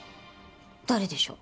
誰でしょう？